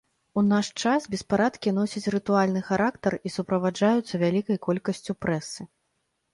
У наш час беспарадкі носяць рытуальны характар і суправаджаюцца вялікай колькасцю прэсы.